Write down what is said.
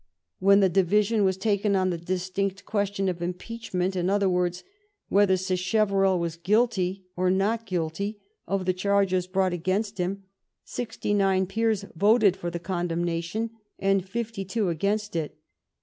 When the division was taken on the distinct question of impeachment — in other words, whether Sacheverell was guilty or not guilty of the charges brought against him — sixty nine peers voted for the condemnation and fifty two against it.